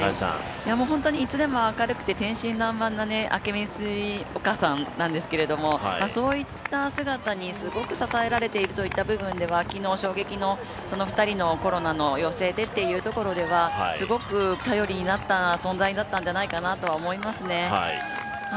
いつでも明るくて、天真爛漫な明美お母さんですからそういった姿にすごく支えられているっていう部分では昨日、衝撃の２人のコロナ陽性でというところではすごく頼りになった存在だったんじゃないかなと思いますね。